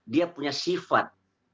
dia punya sifat